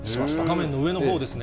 画面の上のほうですね。